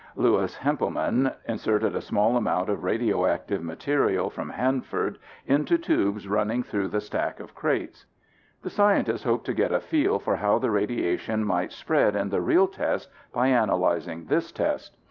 Louis Hemplemann inserted a small amount of radioactive material from Hanford into tubes running through the stack of crates. The scientists hoped to get a feel for how the radiation might spread in the real test by analyzing this test.